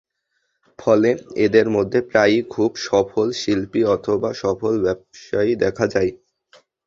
ফলে এঁদের মধ্যে প্রায়ই খুব সফল শিল্পী অথবা সফল ব্যবসায়ী দেখা যায়।